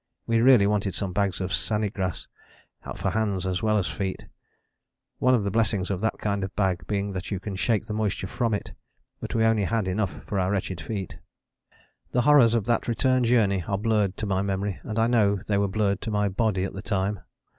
We really wanted some bags of saennegrass for hands as well as feet; one of the blessings of that kind of bag being that you can shake the moisture from it: but we only had enough for our wretched feet. The horrors of that return journey are blurred to my memory and I know they were blurred to my body at the time.